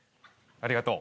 ありがとう。